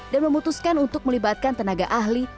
dan memutuskan untuk melibatkan tenaga ahli